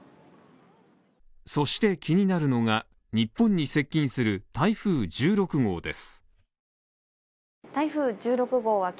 そして気になるのが日本に接近する台風１６号です。